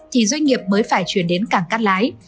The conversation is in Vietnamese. thì doanh nghiệp mới phải chuyển đến cảng cát lái